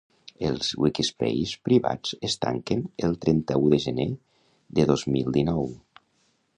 Els Wikispaces privats es tanquen el trenta-u de gener de dos mil dinou